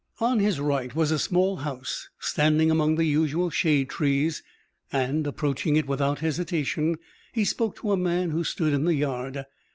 On his right was a small house standing among the usual shade trees, and, approaching it without hesitation, he spoke to a man who stood in the yard.